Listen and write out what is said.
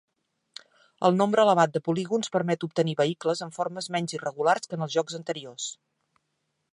El nombre elevat de polígons permet obtenir vehicles amb formes menys irregulars que en els jocs anteriors.